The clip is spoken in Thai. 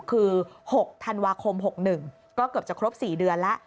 คือ๖ธันวาคม๖๑ก็เกือบจะครบ๔เดือนแล้ว